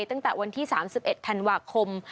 ตั้งแต่วันที่๓๑ธันวาคม